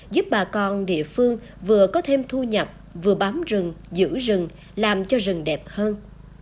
giúp bà con địa phương vừa có thêm thu nhập vừa bám rừng giữ rừng làm cho rừng đẹp hơn